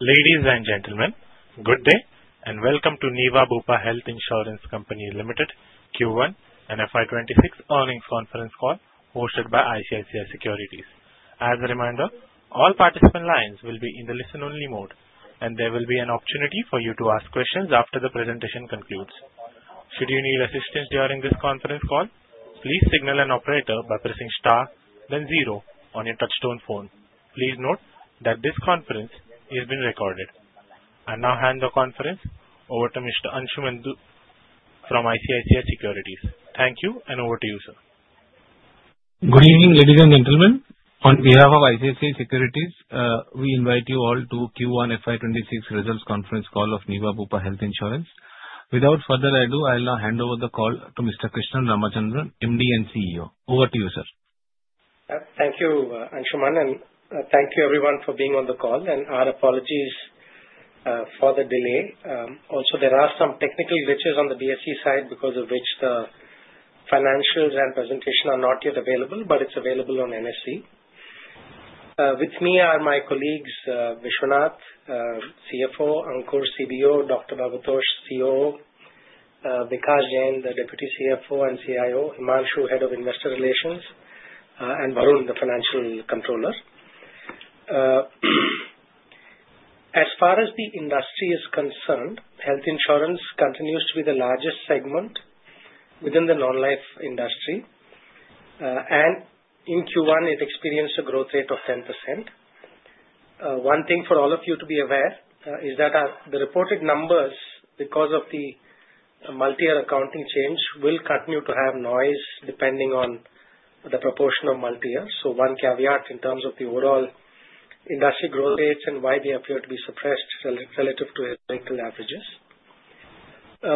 Ladies and gentlemen, good day and welcome to Niva Bupa Health Insurance Company Limited Q1 and FY2026 earnings conference call hosted by ICICI Securities. As a reminder, all participant lines will be in the listen-only mode, and there will be an opportunity for you to ask questions after the presentation concludes. Should you need assistance during this conference call, please signal an operator by pressing star, then zero on your touch-tone phone. Please note that this conference is being recorded. I now hand the conference over to Mr. Ansuman Deb from ICICI Securities. Thank you, and over to you, sir. Good evening, ladies and gentlemen. On behalf of ICICI Securities, we invite you all to Q1 FY2026 results conference call of Niva Bupa Health Insurance. Without further ado, I'll now hand over the call to Mr. Krishnan Ramachandran, MD and CEO. Over to you, sir. Thank you, Ansuman, and thank you, everyone, for being on the call. And our apologies for the delay. Also, there are some technical glitches on the BSE side because of which the financials and presentation are not yet available, but it's available on NSE. With me are my colleagues, Vishwanath, CFO, Ankur, CBO, Dr. Bhabatosh, COO, Vikas Jain, the Deputy CFO and CIO, Himanshu, Head of Investor Relations, and Varun, the Financial Controller. As far as the industry is concerned, health insurance continues to be the largest segment within the non-life industry, and in Q1, it experienced a growth rate of 10%. One thing for all of you to be aware is that the reported numbers, because of the multi-year accounting change, will continue to have noise depending on the proportion of multi-years. One caveat in terms of the overall industry growth rates and why they appear to be suppressed relative to historical averages.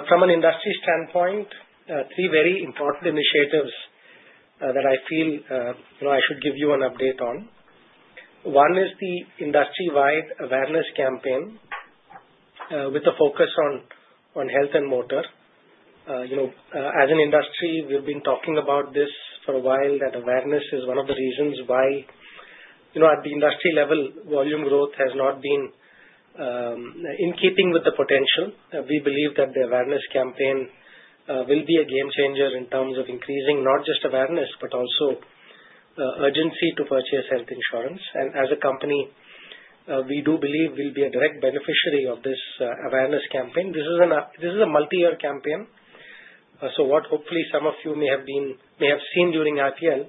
From an industry standpoint, three very important initiatives that I feel I should give you an update on. One is the industry-wide awareness campaign with a focus on health and motor. As an industry, we've been talking about this for a while that awareness is one of the reasons why, at the industry level, volume growth has not been in keeping with the potential. We believe that the awareness campaign will be a game changer in terms of increasing not just awareness, but also urgency to purchase health insurance. And as a company, we do believe we'll be a direct beneficiary of this awareness campaign. This is a multi-year campaign. What hopefully some of you may have seen during IPL is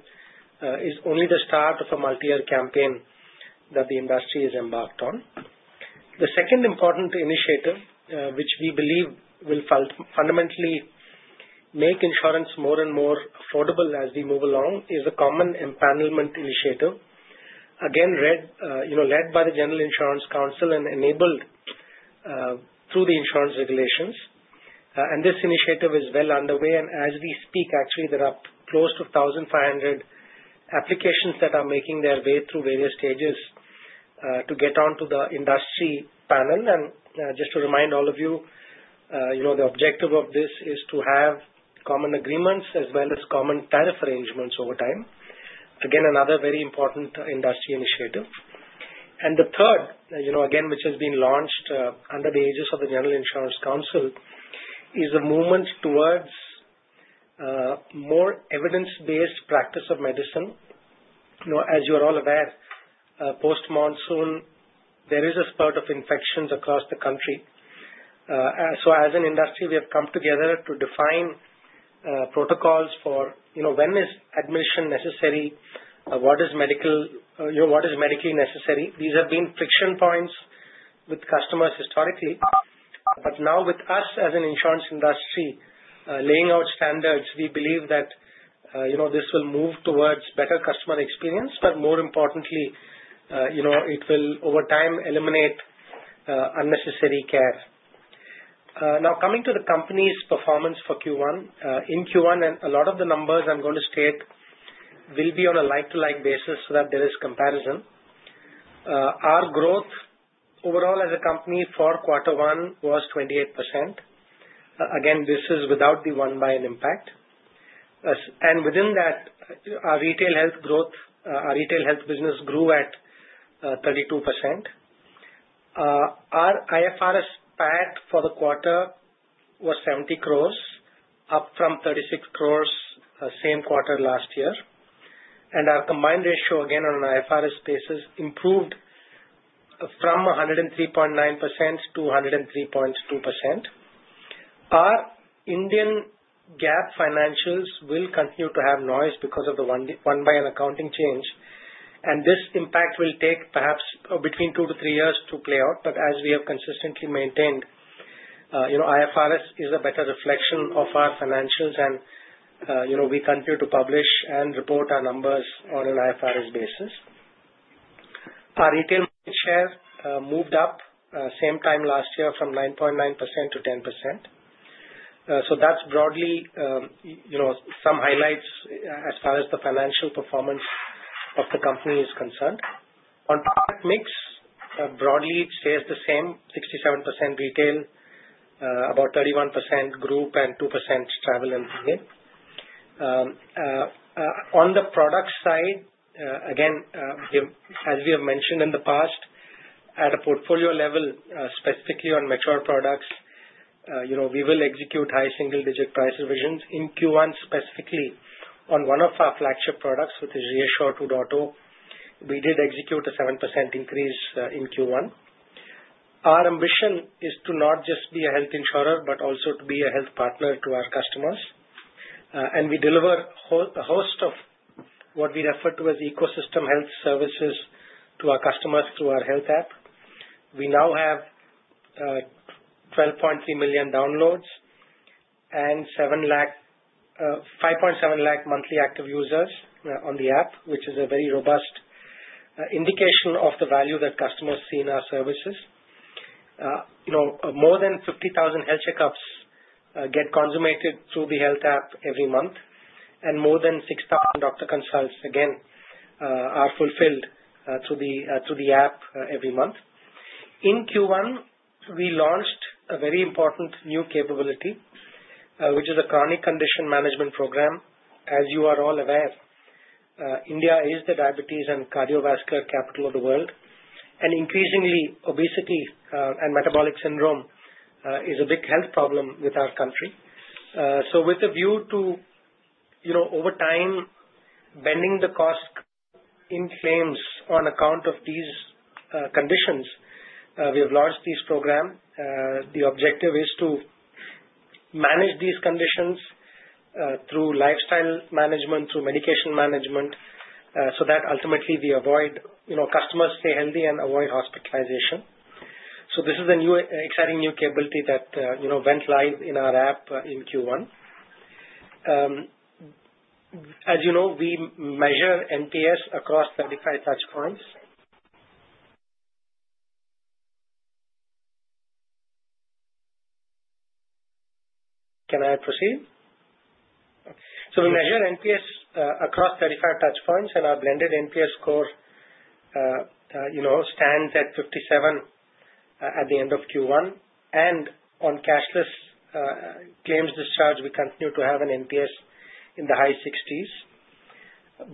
only the start of a multi-year campaign that the industry has embarked on. The second important initiative, which we believe will fundamentally make insurance more and more affordable as we move along, is a common empanelment initiative, again, led by the General Insurance Council and enabled through the insurance regulations. And this initiative is well underway. And as we speak, actually, there are close to 1,500 applications that are making their way through various stages to get onto the industry panel. And just to remind all of you, the objective of this is to have common agreements as well as common tariff arrangements over time. Again, another very important industry initiative. And the third, again, which has been launched under the aegis of the General Insurance Council, is a movement towards more evidence-based practice of medicine. As you're all aware, post-monsoon, there is a spurt of infections across the country. So, as an industry, we have come together to define protocols for when is admission necessary, what is medically necessary. These have been friction points with customers historically. But now, with us as an insurance industry laying out standards, we believe that this will move towards better customer experience, but more importantly, it will, over time, eliminate unnecessary care. Now, coming to the company's performance for Q1, in Q1, and a lot of the numbers I'm going to state will be on a like-to-like basis so that there is comparison. Our growth overall as a company for quarter one was 28%. Again, this is without the 1/N impact. And within that, our retail health growth, our retail health business grew at 32%. Our IFRS PAT for the quarter was 70 crores, up from 36 crores same quarter last year, and our combined ratio, again, on an IFRS basis, improved from 103.9% to 103.2%. Our Indian GAAP financials will continue to have noise because of the 1/N accounting change, and this impact will take perhaps between two to three years to play out, but as we have consistently maintained, IFRS is a better reflection of our financials, and we continue to publish and report our numbers on an IFRS basis. Our retail share moved up same time last year from 9.9% to 10%, so that's broadly some highlights as far as the financial performance of the company is concerned. On product mix, broadly, it stays the same: 67% retail, about 31% group, and 2% travel and PA. On the product side, again, as we have mentioned in the past, at a portfolio level, specifically on mature products, we will execute high single-digit price revisions. In Q1, specifically on one of our flagship products, which is ReAssure 2.0, we did execute a 7% increase in Q1. Our ambition is to not just be a health insurer, but also to be a health partner to our customers. We deliver a host of what we refer to as ecosystem health services to our customers through our health app. We now have 12.3 million downloads and 5.7 lakh monthly active users on the app, which is a very robust indication of the value that customers see in our services. More than 50,000 health checkups get consummated through the health app every month, and more than 6,000 doctor consults, again, are fulfilled through the app every month. In Q1, we launched a very important new capability, which is a chronic condition management program. As you are all aware, India is the diabetes and cardiovascular capital of the world. And increasingly, obesity and metabolic syndrome is a big health problem with our country. So, with a view to, over time, bending the cost in claims on account of these conditions, we have launched this program. The objective is to manage these conditions through lifestyle management, through medication management, so that ultimately we avoid customers stay healthy and avoid hospitalization. So, this is an exciting new capability that went live in our app in Q1. As you know, we measure NPS across 35 touchpoints. Can I proceed? Okay. So, we measure NPS across 35 touchpoints, and our blended NPS score stands at 57 at the end of Q1. And on cashless claims discharge, we continue to have an NPS in the high 60s.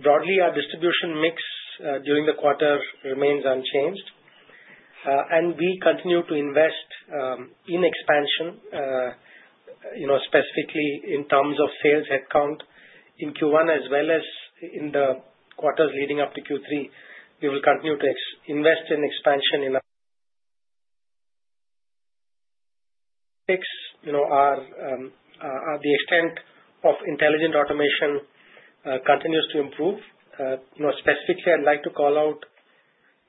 Broadly, our distribution mix during the quarter remains unchanged. And we continue to invest in expansion, specifically in terms of sales headcount in Q1 as well as in the quarters leading up to Q3. We will continue to invest in expansion as the extent of intelligent automation continues to improve. Specifically, I'd like to call out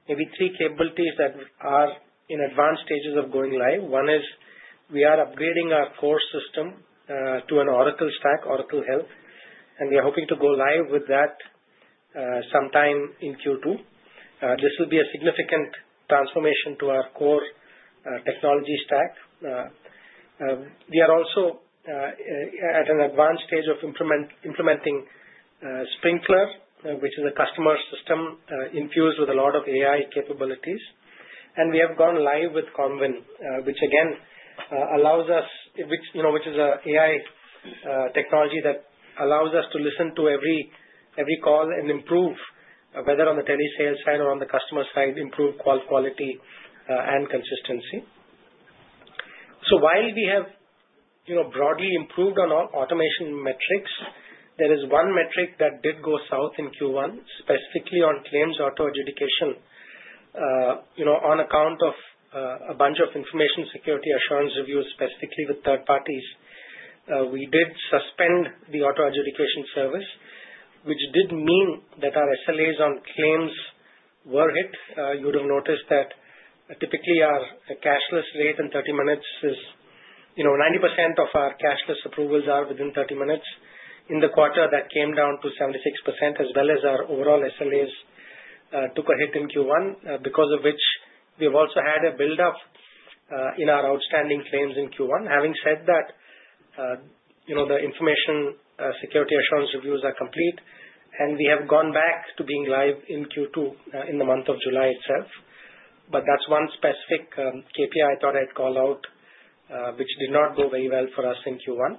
maybe three capabilities that are in advanced stages of going live. One is we are upgrading our core system to an Oracle stack, Oracle Health, and we are hoping to go live with that sometime in Q2. This will be a significant transformation to our core technology stack. We are also at an advanced stage of implementing Sprinklr, which is a customer system infused with a lot of AI capabilities. And we have gone live with Convin, which, again, allows us, which is an AI technology that allows us to listen to every call and improve, whether on the tele-sales side or on the customer side, improve quality and consistency. So, while we have broadly improved on automation metrics, there is one metric that did go south in Q1, specifically on claims auto adjudication. On account of a bunch of information security assurance reviews, specifically with third parties, we did suspend the auto adjudication service, which did mean that our SLAs on claims were hit. You would have noticed that typically our cashless rate in 30 minutes is 90% of our cashless approvals are within 30 minutes, in the quarter that came down to 76%, as well as our overall SLAs took a hit in Q1, because of which we have also had a build-up in our outstanding claims in Q1. Having said that, the information security assurance reviews are complete, and we have gone back to being live in Q2 in the month of July itself. But that's one specific KPI I thought I'd call out, which did not go very well for us in Q1.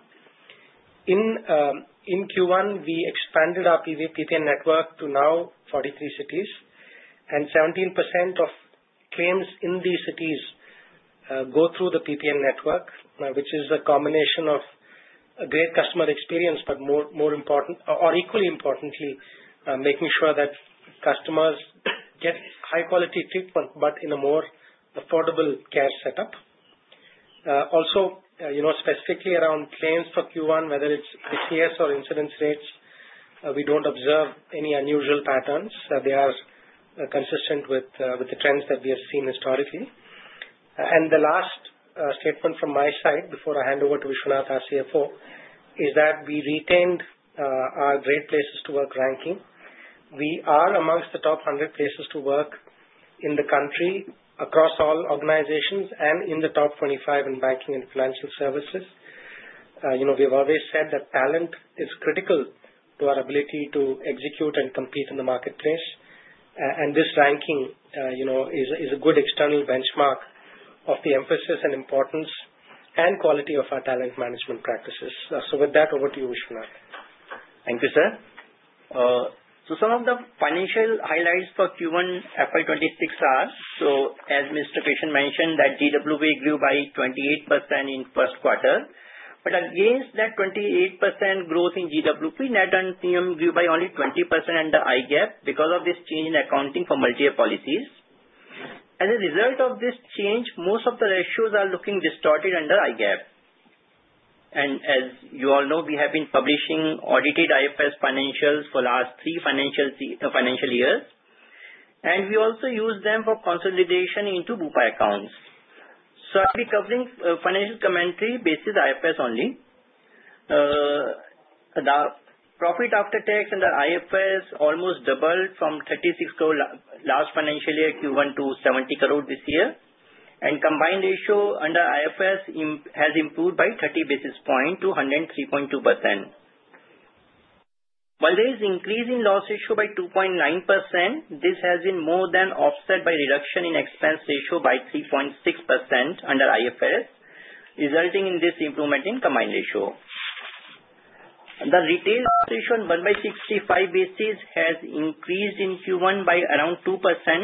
In Q1, we expanded our PPN network to now 43 cities, and 17% of claims in these cities go through the PPN network, which is a combination of great customer experience, but more important or equally importantly, making sure that customers get high-quality treatment, but in a more affordable care setup. Also, specifically around claims for Q1, whether it's PCS or incidence rates, we don't observe any unusual patterns. They are consistent with the trends that we have seen historically. And the last statement from my side before I hand over to Vishwanath, our CFO, is that we retained our Great Places to Work ranking. We are amongst the top 100 places to work in the country across all organizations and in the top 25 in banking and financial services. We have always said that talent is critical to our ability to execute and compete in the marketplace. This ranking is a good external benchmark of the emphasis and importance and quality of our talent management practices. With that, over to you, Vishwanath. Thank you, sir. Some of the financial highlights for Q1 FY2026 are, as Mr. Krishnan mentioned, that GWP grew by 28% in first quarter. Against that 28% growth in GWP, Net and TM grew by only 20% under IGAP because of this change in accounting for multi-year policies. As a result of this change, most of the ratios are looking distorted under IGAP. As you all know, we have been publishing audited IFRS financials for the last three financial years. We also use them for consolidation into Bupa Health accounts. I'll be covering financial commentary basis IFRS only. The profit after tax under IFRS almost doubled from 36 crore last financial year Q1 to 70 crore this year, and combined ratio under IFRS has improved by 30 basis points to 103.2%. While there is increase in loss ratio by 2.9%, this has been more than offset by reduction in expense ratio by 3.6% under IFRS, resulting in this improvement in combined ratio. The retail ratio on 1/365 basis has increased in Q1 by around 2%,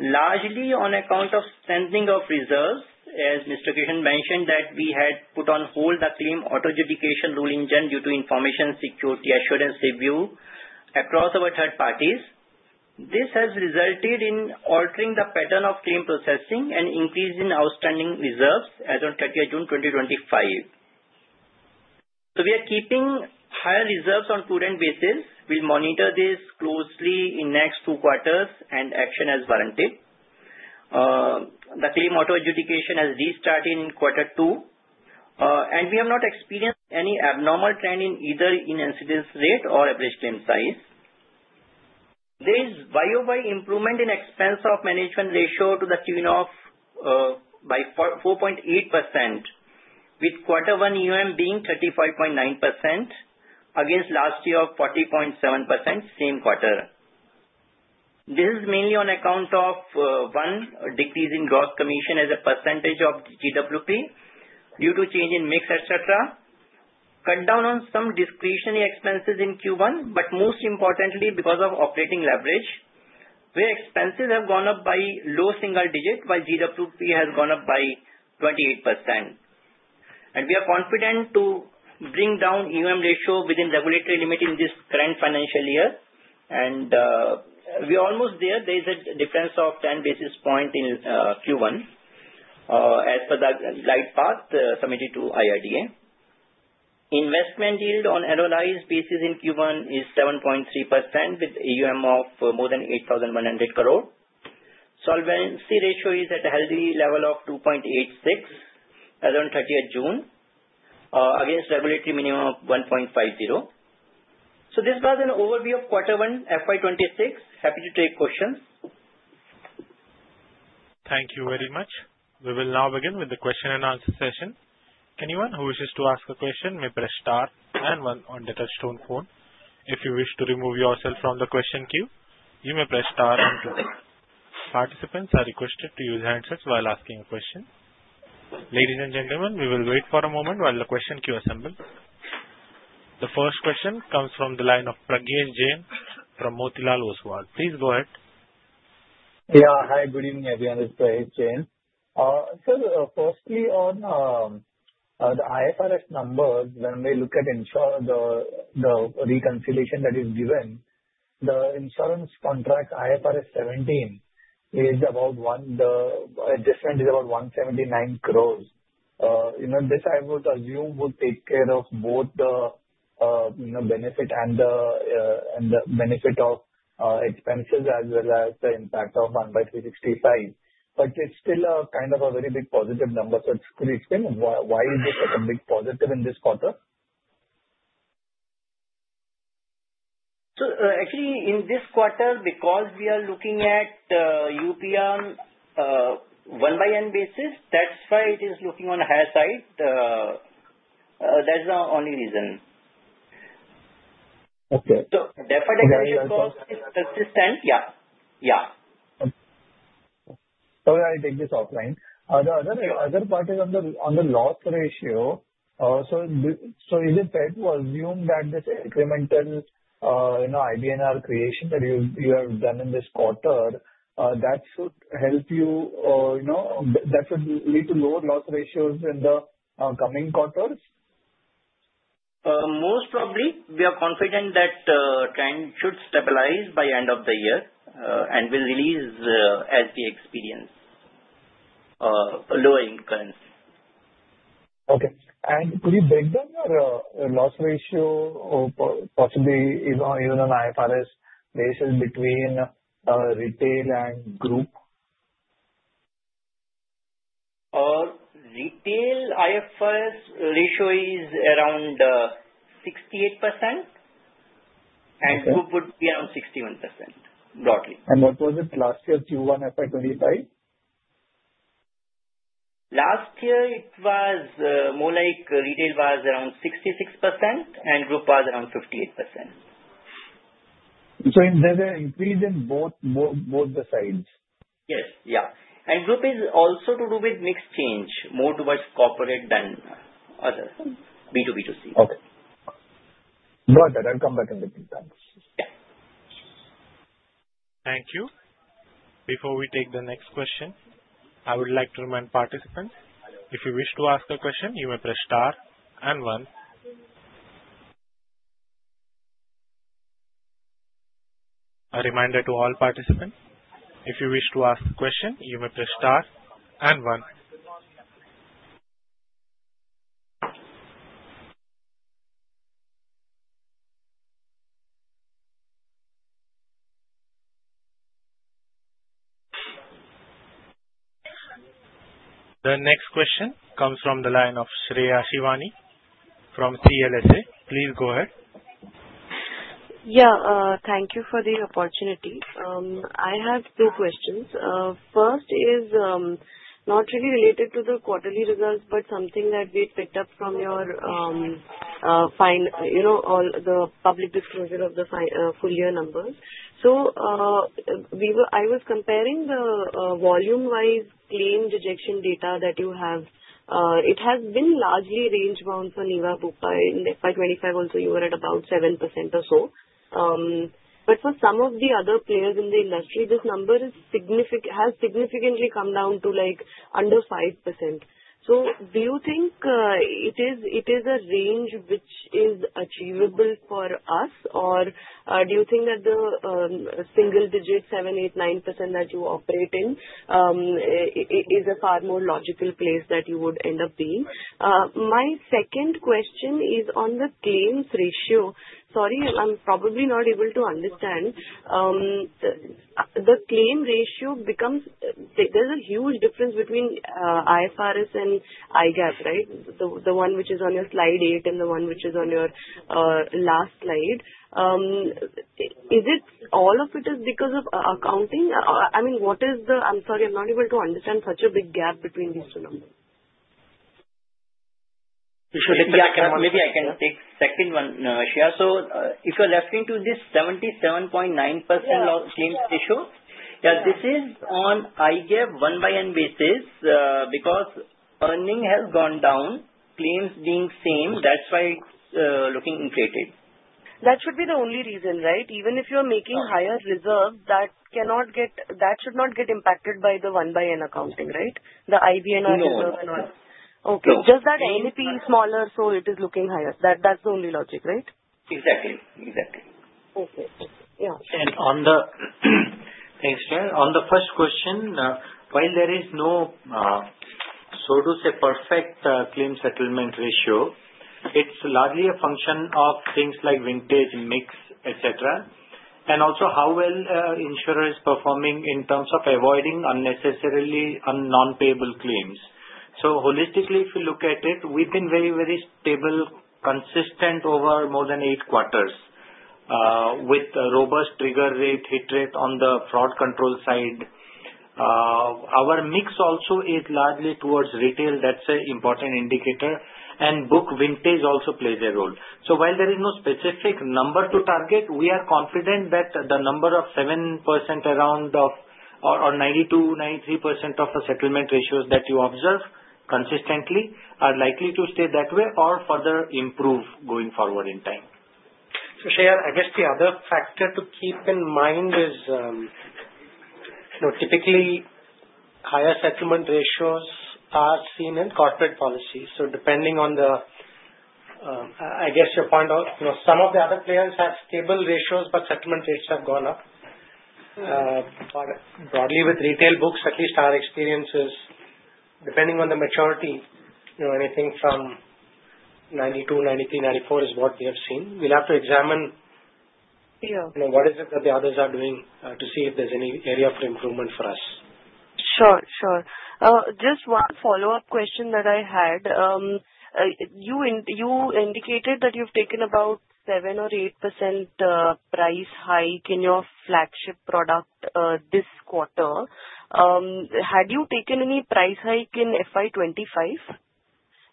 largely on account of strengthening of reserves. As Mr. Krishnan mentioned, that we had put on hold the claim auto adjudication rule engine due to information security assurance review across our third parties. This has resulted in altering the pattern of claim processing and increase in outstanding reserves as of 30 June 2025, so we are keeping higher reserves on current basis. We'll monitor this closely in next two quarters and action as warranted. The claim auto adjudication has restarted in quarter two. And we have not experienced any abnormal trend in either incidence rate or average claim size. There is a 4.8% improvement in Expenses of Management ratio to the tune of 4.8%, with quarter one EOM being 35.9% against last year of 40.7%, same quarter. This is mainly on account of a decrease in gross commission as a percentage of GWP due to change in mix, etc., cut down on some discretionary expenses in Q1, but most importantly, because of operating leverage, where expenses have gone up by low single digit, while GWP has gone up by 28%. And we are confident to bring down EOM ratio within regulatory limit in this current financial year. And we are almost there. There is a difference of 10 basis points in Q1 as per the light book submitted to IRDAI. Investment yield on annualized basis in Q1 is 7.3% with EOM of more than 8,100 crore. Solvency ratio is at a healthy level of 2.86 as of 30 June against regulatory minimum of 1.50. So, this was an overview of quarter one FY2026. Happy to take questions. Thank you very much. We will now begin with the question-and-answer session. Anyone who wishes to ask a question may press star and one on the touch-tone phone. If you wish to remove yourself from the question queue, you may press star and two. Participants are requested to use handsets while asking a question. Ladies and gentlemen, we will wait for a moment while the question queue assembles. The first question comes from the line of Prayesh Jain from Motilal Oswal. Please go ahead. Yeah. Hi. Good evening, everyone. This is Prayesh Jain. Sir, firstly, on the IFRS numbers, when we look at the reconciliation that is given, the insurance contract IFRS 17, the adjustment is about 179 crore. This I would assume would take care of both the benefit and the benefit of expenses as well as the impact of 1/365. But it's still kind of a very big positive number. So, explain why is this such a big positive in this quarter? Actually, in this quarter, because we are looking at UPR 1/N basis, that's why it is looking on the higher side. That's the only reason. Okay. So, the deferred acquisition cost is consistent. Sorry, I'll take this offline. The other part is on the loss ratio. So, is it fair to assume that this incremental IBNR creation that you have done in this quarter, that should help you that should lead to lower loss ratios in the coming quarters? Most probably. We are confident that trend should stabilize by end of the year and will release as we experience lower incurrence. Okay. And could you break down your loss ratio or possibly even on IFRS basis between retail and group? Retail IFRS ratio is around 68%, and group would be around 61% broadly. And what was it last year Q1 FY2025? Last year, it was more like retail was around 66% and group was around 58%. So, there's an increase in both the sides? Yes. Yeah. And group is also to do with mixed change, more towards corporate than other B2B2C. Okay. Got it. I'll come back and look at that. Yeah. Thank you. Before we take the next question, I would like to remind participants, if you wish to ask a question, you may press star and one. A reminder to all participants, if you wish to ask a question, you may press star and one. The next question comes from the line of Shreya Shivani from CLSA. Please go ahead. Yeah. Thank you for the opportunity. I have two questions. First is not really related to the quarterly results, but something that we picked up from your overall public disclosure of the full year numbers. So, I was comparing the volume-wise claim rejection data that you have. It has been largely range bound for Niva Bupa. In FY2025 also, you were at about 7% or so. But for some of the other players in the industry, this number has significantly come down to under 5%. Do you think it is a range which is achievable for us, or do you think that the single digit 7%, 8%, 9% that you operate in is a far more logical place that you would end up being? My second question is on the claims ratio. Sorry, I'm probably not able to understand. The claim ratio becomes there's a huge difference between IFRS and IGAP, right? The one which is on your slide eight and the one which is on your last slide. Is it all of it is because of accounting? I mean, what is the I'm sorry, I'm not able to understand such a big gap between these two numbers. Maybe I can take second one, Shreya. If you're referring to this 77.9% claims ratio, this is on IGAP 1/N basis because earning has gone down, claims being same. That's why it's looking inflated. That should be the only reason, right? Even if you're making higher reserves, that should not get impacted by the 1/N accounting, right? The IBNR reserve and all. Okay. Just that NP smaller, so it is looking higher. That's the only logic, right? Exactly. Exactly. Okay. Yeah. And on the next one, on the first question, while there is no, so to say, perfect claim settlement ratio, it's largely a function of things like vintage mix, etc., and also how well insurer is performing in terms of avoiding unnecessarily non-payable claims. So, holistically, if you look at it, we've been very, very stable, consistent over more than eight quarters with robust trigger rate, hit rate on the fraud control side. Our mix also is largely towards retail. That's an important indicator. And book vintage also plays a role. So, while there is no specific number to target, we are confident that the number of 7% around or 92%, 93% of the settlement ratios that you observe consistently are likely to stay that way or further improve going forward in time. So, Shreya, I guess the other factor to keep in mind is typically higher settlement ratios are seen in corporate policies. So, depending on the I guess your point of some of the other players have stable ratios, but settlement rates have gone up. But broadly, with retail books, at least our experience is depending on the maturity, anything from 92%, 93%, 94% is what we have seen. We'll have to examine what is it that the others are doing to see if there's any area for improvement for us. Sure. Sure. Just one follow-up question that I had. You indicated that you've taken about 7% or 8% price hike in your flagship product this quarter. Had you taken any price hike in FY2025?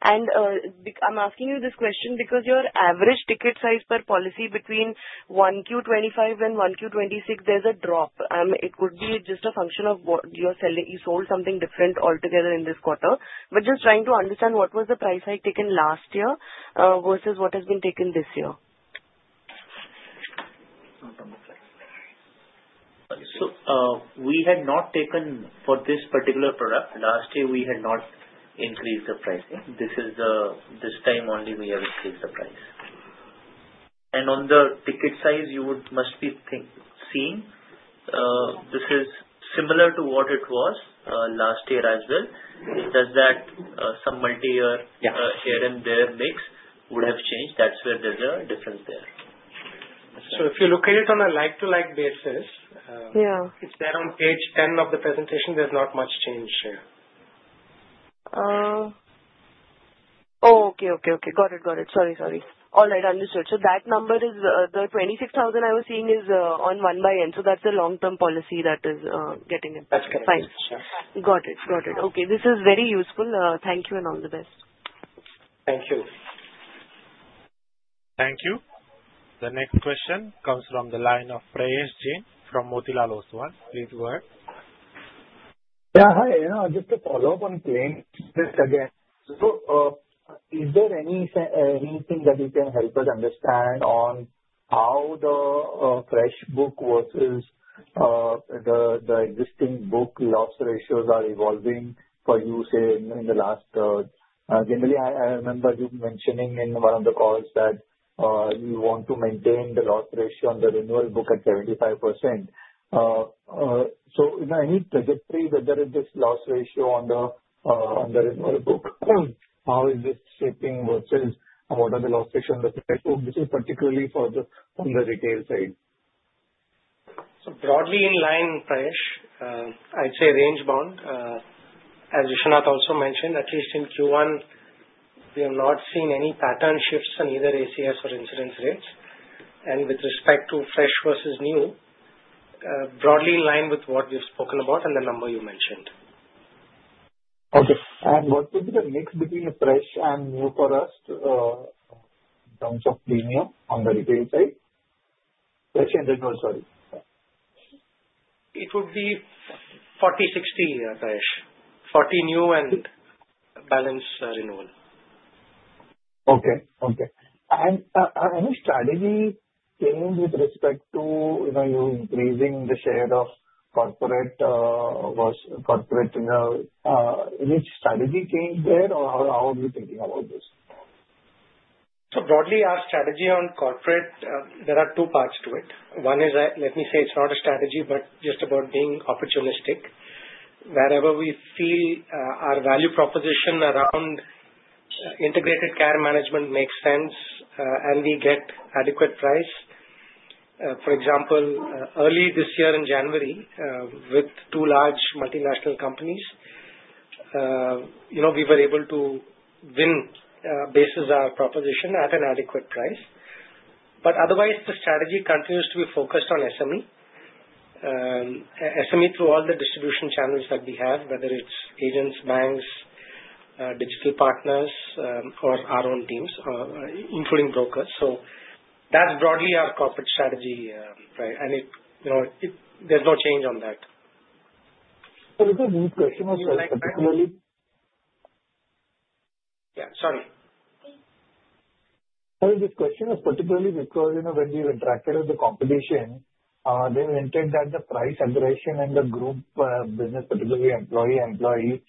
And I'm asking you this question because your average ticket size per policy between 1Q2025 and 1Q2026, there's a drop. It could be just a function of you sold something different altogether in this quarter. But just trying to understand what was the price hike taken last year versus what has been taken this year. So, we had not taken for this particular product last year, we had not increased the pricing. This time only we have increased the price. And on the ticket size, you must be seeing this is similar to what it was last year as well. It does that some multi-year here and there mix would have changed. That's where there's a difference there. So, if you look at it on a like-to-like basis, it's there on page 10 of the presentation. There's not much change, Shreya. Oh, okay. Got it. Sorry. All right. Understood. So, that number is the 26,000 I was seeing is on 1/N. So, that's the long-term policy that is getting improved. That's correct. Got it. Okay. This is very useful. Thank you and all the best. Thank you. Thank you. The next question comes from the line of Prayesh Jain from Motilal Oswal. Please go ahead. Yeah. Hi. Just to follow up on claims again. Is there anything that you can help us understand on how the fresh book versus the existing book loss ratios are evolving for you, say, in the last generally? I remember you mentioning in one of the calls that you want to maintain the loss ratio on the renewal book at 75%. So, any trajectory that there is this loss ratio on the renewal book? How is this shaping versus what are the loss ratios on the fresh book? This is particularly for the retail side. Broadly in line, Prayesh. I'd say range bound. As Vishwanath also mentioned, at least in Q1, we have not seen any pattern shifts in either ACS or incidence rates. And with respect to fresh versus new, broadly in line with what we've spoken about and the number you mentioned. Okay. What would be the mix between fresh and new for us in terms of premium on the retail side? Fresh and renewal, sorry. It would be 40/60, Prayesh. 40 new and balance renewal. Okay. Okay. And any strategy change with respect to you increasing the share of corporate versus corporate? Which strategy change there? Or how are you thinking about this? So, broadly, our strategy on corporate, there are two parts to it. One is, let me say, it's not a strategy, but just about being opportunistic. Wherever we feel our value proposition around integrated care management makes sense and we get adequate price. For example, early this year in January with two large multinational companies, we were able to win basis our proposition at an adequate price. But otherwise, the strategy continues to be focused on SME through all the distribution channels that we have, whether it's agents, banks, digital partners, or our own teams, including brokers. So, that's broadly our corporate strategy, right? And there's no change on that. So, this question was particularly because when we interacted with the competition, they hinted that the price aggregation and the group business, particularly employer-employee,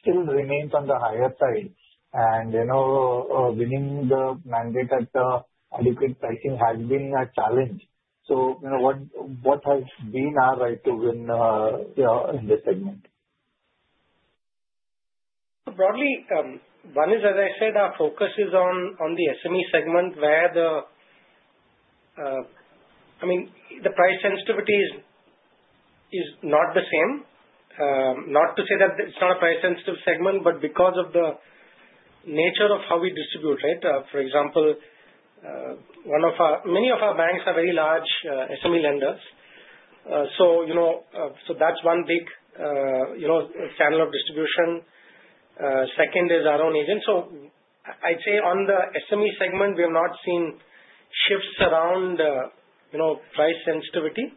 still remains on the higher side. And winning the mandate at adequate pricing has been a challenge. So, what has been our right to win in this segment? So, broadly, one is, as I said, our focus is on the SME segment where the I mean, the price sensitivity is not the same. Not to say that it's not a price-sensitive segment, but because of the nature of how we distribute, right? For example, many of our banks are very large SME lenders. So, that's one big channel of distribution. Second is our own agent. So, I'd say on the SME segment, we have not seen shifts around price sensitivity.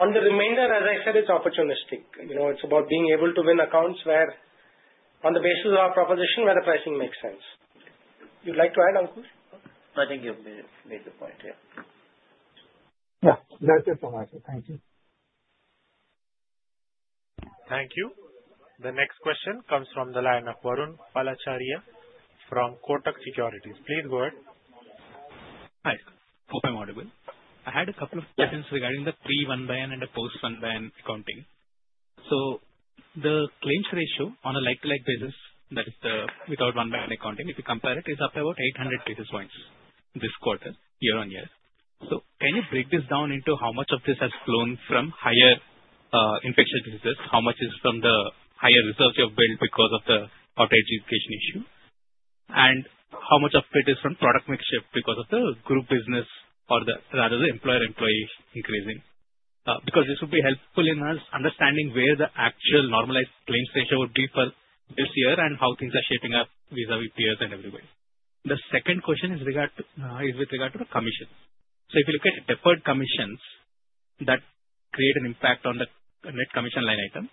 On the remainder, as I said, it's opportunistic. It's about being able to win accounts where on the basis of our proposition, where the pricing makes sense. You'd like to add, Ankur? No, I think you've made the point here. Yeah. That's it for my side. Thank you. Thank you. The next question comes from the line of Varun Palacharla from Kotak Securities. Please go ahead. Hi. Hope I'm audible. I had a couple of questions regarding the pre-1/N and the post-1/N accounting. So, the claims ratio on a like-to-like basis, that is, without 1/N accounting, if you compare it, is up about 800 basis points this quarter, year-on-year. Can you break this down into how much of this has flown from higher infectious diseases? How much is from the higher reserves you have built because of the adjudication issue? And how much of it is from product mix shift because of the group business or rather the employer-employee increasing? Because this would be helpful in us understanding where the actual normalized claims ratio would be for this year and how things are shaping up vis-à-vis peers and everywhere. The second question is with regard to the commissions. If you look at deferred commissions that create an impact on the net commission line item,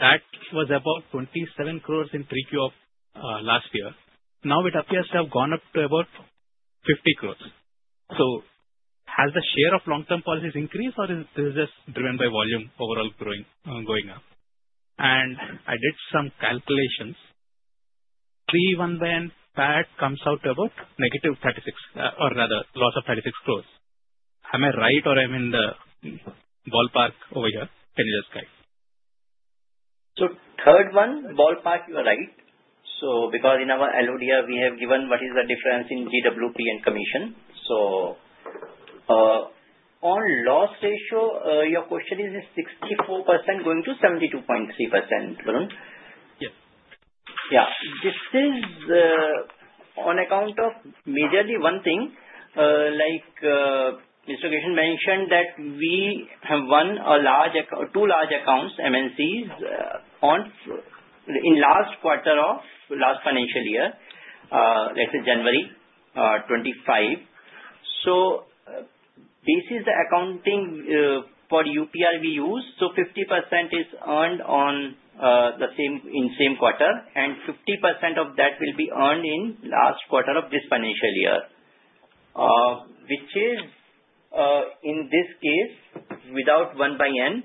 that was about 27 crores in 3Q of last year. Now, it appears to have gone up to about 50 crores. Has the share of long-term policies increased, or is this just driven by volume overall going up? I did some calculations. Pre-1/1 PAT comes out to about -36 or rather loss of 36 crores. Am I right, or am I in the ballpark over here? Can you just guide? Third one, ballpark, you are right. Because in our LODR, we have given what is the difference in GWP and commission. On loss ratio, your question is 64% going to 72.3%, Varun. Yes. Yeah. This is on account of majorly one thing. Like Mr. Krishnan mentioned that we have won two large accounts, MNCs, in last quarter of last financial year, let's say January 25. This is the accounting for UPR we use. 50% is earned in same quarter, and 50% of that will be earned in last quarter of this financial year, which is in this case without 1/N.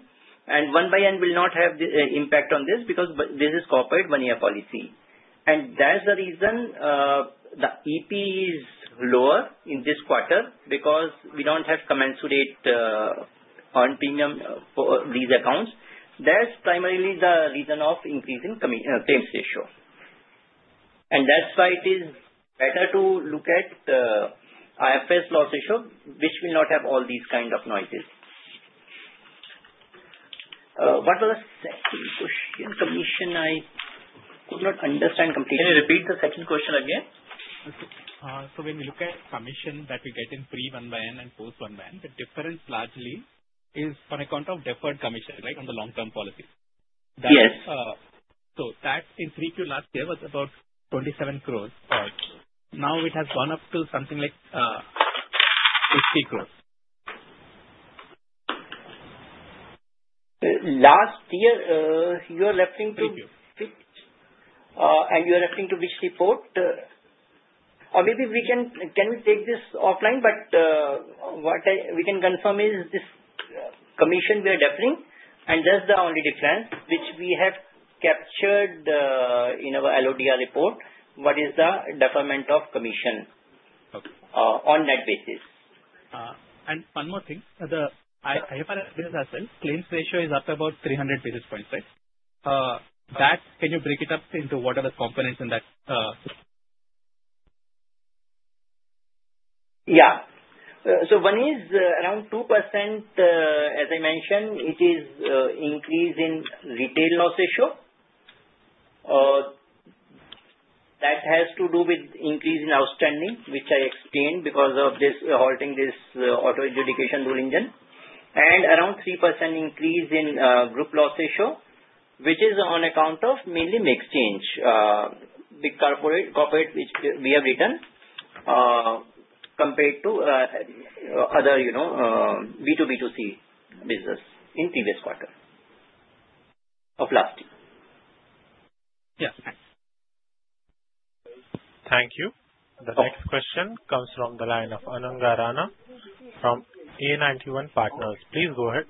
1/N will not have the impact on this because this is corporate one-year policy. That's the reason the EP is lower in this quarter because we don't have commensurate earned premium for these accounts. That's primarily the reason of increasing claims ratio. That's why it is better to look at the IFRS loss ratio, which will not have all these kind of noises. What was the second question? Commission, I could not understand completely. Can you repeat the second question again? So, when we look at commission that we get in pre-1/N and post-1/N, the difference largely is on account of deferred commission, right, on the long-term policies. Yes. So, that in 3Q last year was about 27 crores. Now, it has gone up to something like 50 crores. Last year, you are referring to. Thank you. And you are referring to which report? Or maybe we can take this offline? But what we can confirm is this commission we are deferring, and that's the only difference which we have captured in our LODR report. What is the deferment of commission on that basis. And one more thing. I have an analysis as well. Claims ratio is up about 300 basis points, right? Can you break it up into what are the components in that? Yeah. So, one is around 2%, as I mentioned, it is increase in retail loss ratio. That has to do with increase in outstanding, which I explained because of this halting auto adjudication rule engine. And around 3% increase in group loss ratio, which is on account of mainly mix change, big corporate which we have written compared to other B2B2C business in previous quarter of last year. Yeah. Thank you. The next question comes from the line of Ananga Rana from A91 Partners. Please go ahead.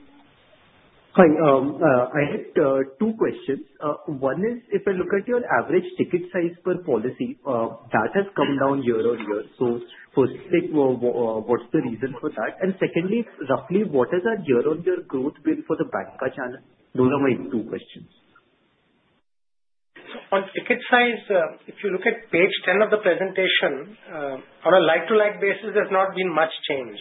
Hi. I had two questions. One is, if I look at your average ticket size per policy, that has come down year-on-year. So, firstly, what's the reason for that? And secondly, roughly, what has that year-on-year growth been for the bank channel? Those are my two questions. On ticket size, if you look at page 10 of the presentation, on a like-for-like basis, there's not been much change.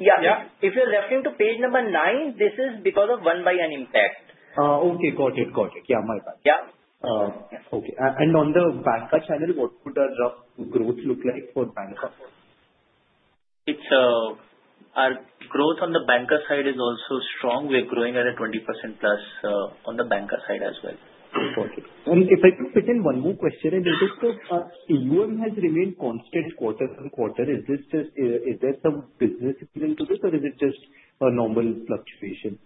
Yeah. If you're referring to page number 9, this is because of 1/N impact. Okay. Got it. Got it. Yeah. My bad. Yeah. Okay. And on the bank channel, what would the growth look like for bank? Our growth on the banker side is also strong. We're growing at a 20% plus on the banker side as well. Got it. And if I could fit in one more question, and it is too, EOM has remained constant quarter on quarter. Is there some business increase into this, or is it just a normal fluctuation?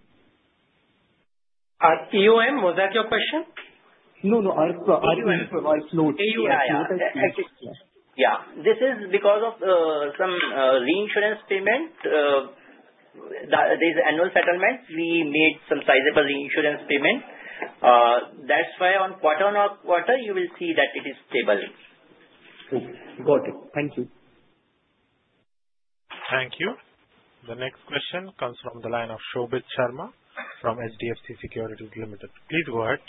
EOM? Was that your question? No, no. EOM is slow. EOM, yeah. Yeah. This is because of some reinsurance payment. There's annual settlement. We made some sizable reinsurance payment. That's why on quarter on quarter, you will see that it is stable. Okay. Got it. Thank you. Thank you. The next question comes from the line of Shobhit Sharma from HDFC Securities Limited. Please go ahead.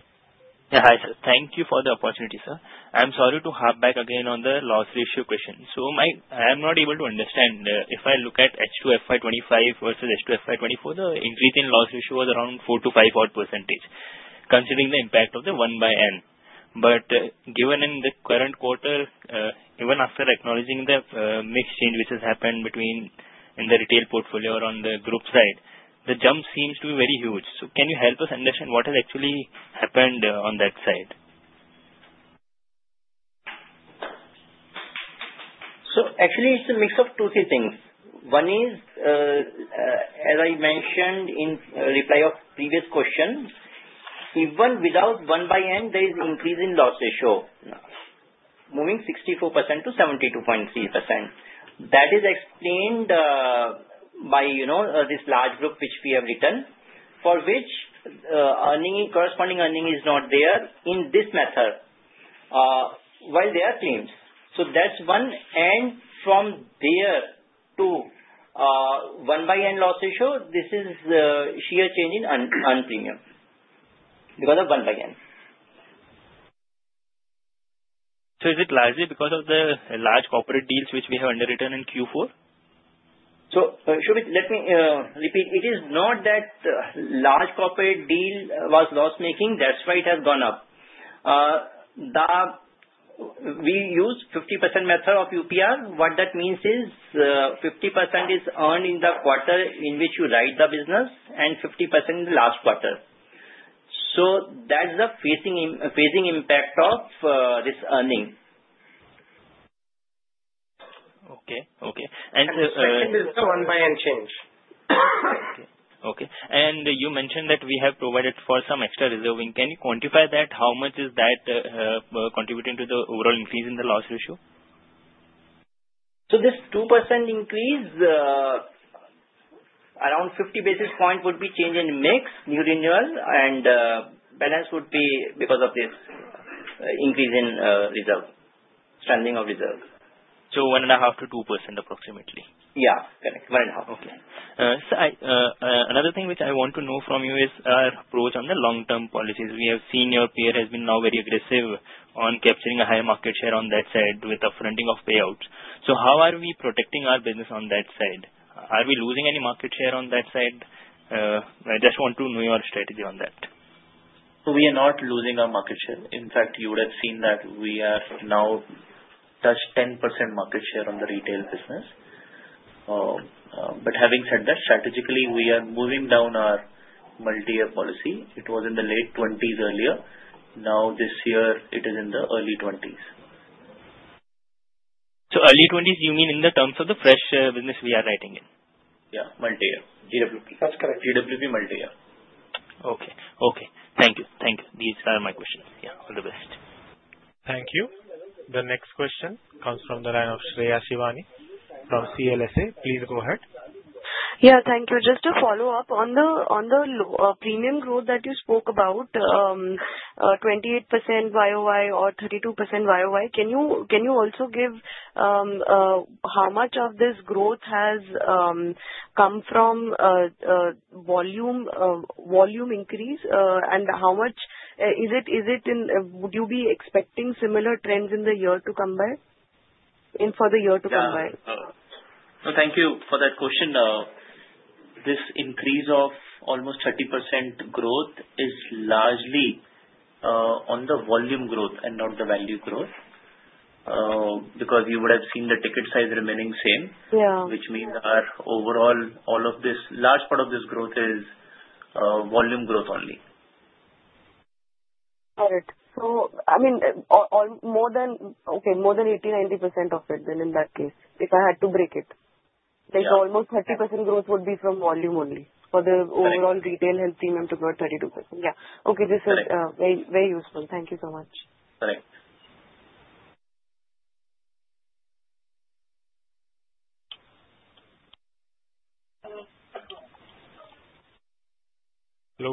Yeah. Hi, sir. Thank you for the opportunity, sir. I'm sorry to harp back again on the loss ratio question. So, I am not able to understand. If I look at H2FY2025 versus H2FY2024, the increase in loss ratio was around 4-5 odd percentage, considering the impact of the 1/N. But given in the current quarter, even after acknowledging the mixed change which has happened between in the retail portfolio or on the group side, the jump seems to be very huge. So, can you help us understand what has actually happened on that side? So, actually, it's a mix of two or three things. One is, as I mentioned in reply of previous question, even without 1/N, there is increase in loss ratio, moving 64% to 72.3%. That is explained by this large group which we have written, for which corresponding earning is not there in this method, while there are claims. So, that's one. And from there to 1/N loss ratio, this is sheer change in earned premium because of 1/N. Is it largely because of the large corporate deals which we have underwritten in Q4? Shobhit, let me repeat. It is not that large corporate deal was loss-making. That's why it has gone up. We use 50% method of UPR. What that means is 50% is earned in the quarter in which you write the business and 50% in the last quarter. That's the phasing impact of this earning. Okay. Okay. And the second is the 1/N change. Okay. Okay. And you mentioned that we have provided for some extra reserving. Can you quantify that? How much is that contributing to the overall increase in the loss ratio? So, this 2% increase, around 50 basis points would be change in mix, new renewal, and balance would be because of this increase in reserve, standing of reserve. One and a half to 2% approximately? Yeah. Correct. One and a half. Okay. Sir, another thing which I want to know from you is our approach on the long-term policies. We have seen your peer has been now very aggressive on capturing a higher market share on that side with the fronting of payouts. So, how are we protecting our business on that side? Are we losing any market share on that side? I just want to know your strategy on that. So, we are not losing our market share. In fact, you would have seen that we have now touched 10% market share on the retail business. But having said that, strategically, we are moving down our multi-year policy. It was in the late 20s earlier. Now, this year, it is in the early 20s. So, early 20s, you mean in terms of the fresh business we are writing in? Yeah. Multi-year. GWP. That's correct. GWP multi-year. Okay. Okay. Thank you. Thank you. These are my questions. Yeah. All the best. Thank you. The next question comes from the line of Shreya Shivani from CLSA. Please go ahead. Yeah. Thank you. Just to follow up on the premium growth that you spoke about, 28% YoY or 32% YoY, can you also give how much of this growth has come from volume increase and how much is it? Would you be expecting similar trends in the year to come back for the year to come back? Yeah. Thank you for that question. This increase of almost 30% growth is largely on the volume growth and not the value growth because you would have seen the ticket size remaining same, which means our overall, all of this large part of this growth is volume growth only. Got it. So, I mean, okay, more than 80%-90% of it, then in that case, if I had to break it, almost 30% growth would be from volume only for the overall retail health premium to grow 32%. Yeah. Okay. This is very useful. Thank you so much. Correct. Hello.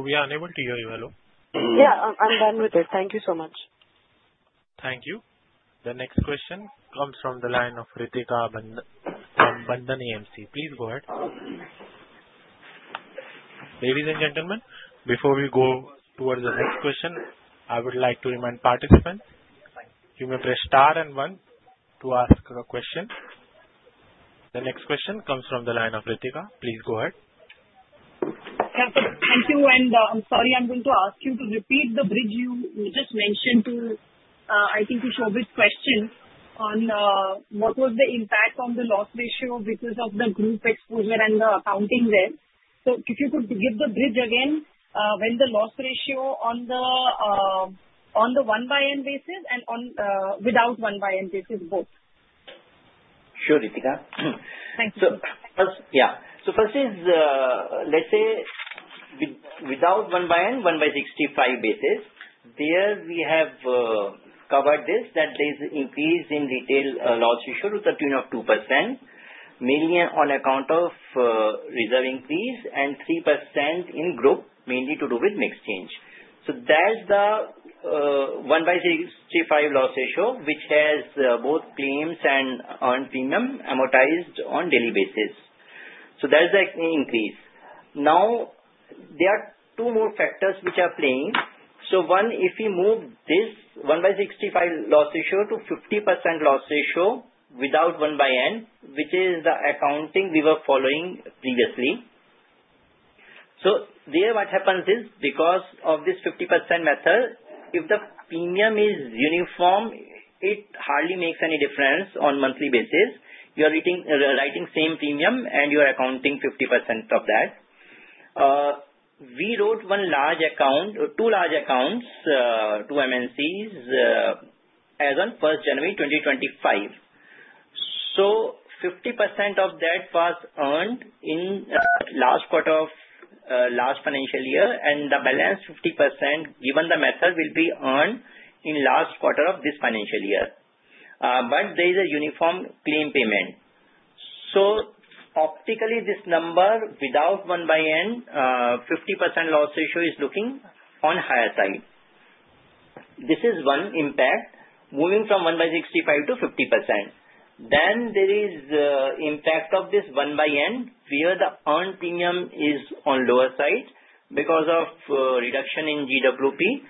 We are unable to hear you. Hello? Yeah. I'm done with it. Thank you so much. Thank you. The next question comes from the line of Ritika from Bandhan AMC. Please go ahead. Ladies and gentlemen, before we go towards the next question, I would like to remind participants you may press star and one to ask a question. The next question comes from the line of Ritika. Please go ahead. Thank you. I'm sorry. I'm going to ask you to repeat the bridge you just mentioned to, I think, to Shobhit 's question on what was the impact on the loss ratio because of the group exposure and the accounting there. So, if you could give the bridge again when the loss ratio on the 1/N basis and without 1/N basis both. Sure, Ritika. Thank you. Yeah. So, first is, let's say without 1/N, 1/365 basis, there we have covered this that there's increase in retail loss ratio to the tune of 2%, mainly on account of reserve increase and 3% in group, mainly to do with mixed change. So, that's the 1/365 loss ratio, which has both claims and earned premium amortized on daily basis. So, that's the increase. Now, there are two more factors which are playing. One, if we move this 1/365 loss ratio to 50% loss ratio without 1/N, which is the accounting we were following previously. There what happens is because of this 50% method, if the premium is uniform, it hardly makes any difference on monthly basis. You are writing same premium and you are accounting 50% of that. We wrote one large account, two large accounts, two MNCs as of 1st January 2025. 50% of that was earned in last quarter of last financial year, and the balance 50% given the method will be earned in last quarter of this financial year. But there is a uniform claim payment. Optically, this number without 1/N, 50% loss ratio is looking on higher side. This is one impact, moving from 1/365 to 50%. Then there is impact of this 1/N where the earned premium is on lower side because of reduction in GWP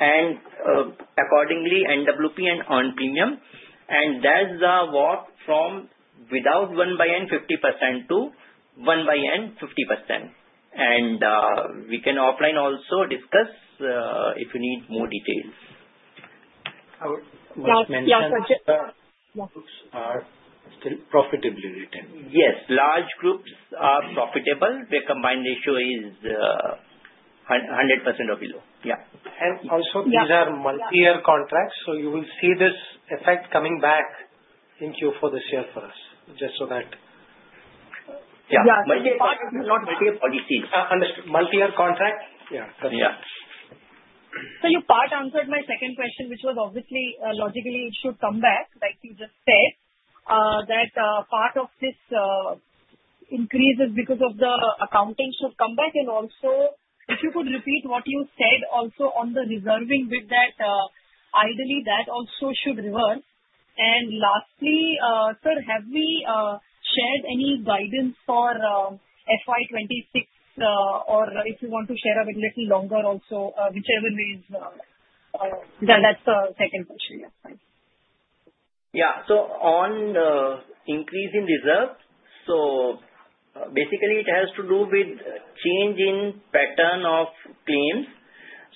and accordingly NWP and earned premium. And that's the walk from without 1/N, 50% to 1/N, 50%. And we can offline also discuss if you need more details. What you mentioned. Yeah. So. Groups are still profitably written. Yes. Large groups are profitable. Their combined ratio is 100% or below. Yeah. And also, these are multi-year contracts, so you will see this effect coming back in Q4 this year for us. Yeah. Multi-year contract. Yeah. So, you part answered my second question, which was obviously logically it should come back, like you just said, that part of this increase is because of the accounting should come back. And also, if you could repeat what you said also on the reserving with that, ideally that also should revert. And lastly, sir, have we shared any guidance for FY2026 or if you want to share a little longer also, whichever way is that's the second question. Yeah. Yeah. So, on the increase in reserve, so basically it has to do with change in pattern of claims.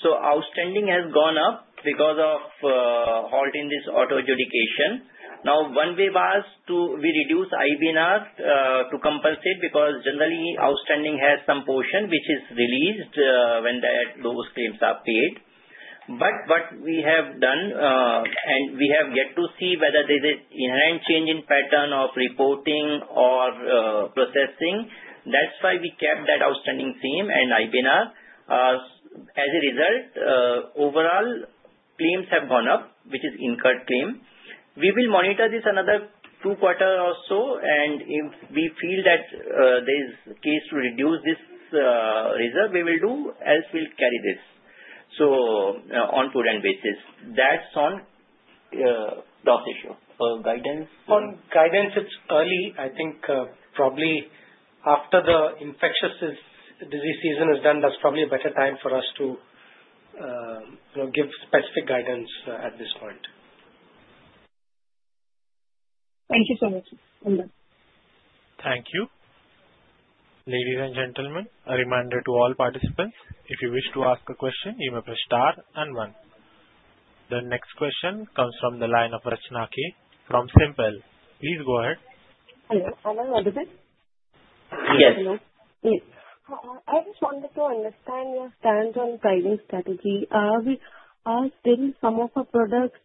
So, outstanding has gone up because of halting this auto adjudication. Now, one way was to we reduce IBNR to compensate because generally outstanding has some portion which is released when those claims are paid. But what we have done and we have yet to see whether there's an inherent change in pattern of reporting or processing. That's why we kept that outstanding same and IBNR. As a result, overall claims have gone up, which is incurred claim. We will monitor this another two quarters or so, and if we feel that there's case to reduce this reserve, we will do. Else we'll carry this on prudent basis. That's on loss issue. Or guidance? On guidance, it's early. I think probably after the infectious disease season is done, that's probably a better time for us to give specific guidance at this point. Thank you so much. Thank you. Ladies and gentlemen, a reminder to all participants, if you wish to ask a question, you may press star and one. The next question comes from the line of Rachna K. from SiMPL. Please go ahead. Hello. Hello. This is? Yes. Hello. I just wanted to understand your stance on pricing strategy. Are still some of our products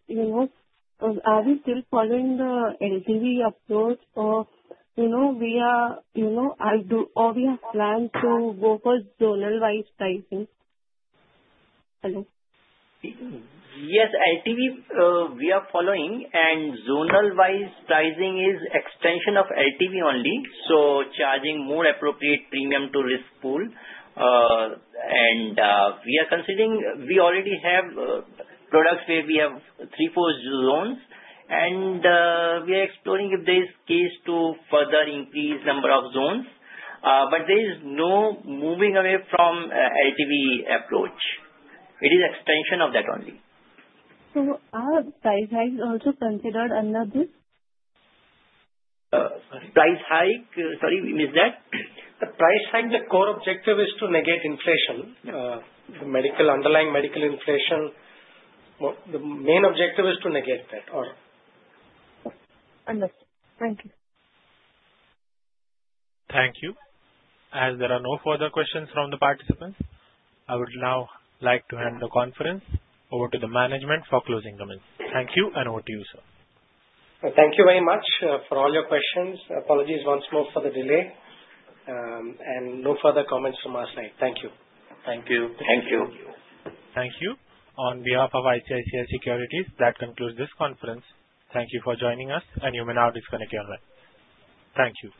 are we still following the LTV approach or we are or we have planned to go for zonal-wise pricing? Hello? Yes. LTV we are following, and zonal-wise pricing is extension of LTV only, so charging more appropriate premium to risk pool. We are considering we already have products where we have three or four zones, and we are exploring if there is case to further increase number of zones. There is no moving away from LTV approach. It is extension of that only. So, are price hikes also considered under this? Price hike, sorry, you missed that. The price hike, the core objective is to negate inflation, the underlying medical inflation. The main objective is to negate that or. Understood. Thank you. Thank you. As there are no further questions from the participants, I would now like to hand the conference over to the management for closing comments. Thank you, and over to you, sir. Thank you very much for all your questions. Apologies once more for the delay. No further comments from our side. Thank you. On behalf of ICICI Securities, that concludes this conference. Thank you for joining us, and you may now disconnect your line. Thank you.